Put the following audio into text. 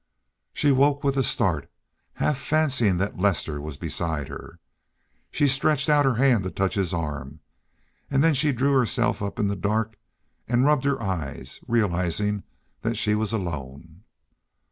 She woke with a start, half fancying that Lester was beside her. She stretched out her hand to touch his arm; then she drew herself up in the dark and rubbed her eyes, realizing that she was alone.